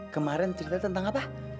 kemarin cerita tentang apa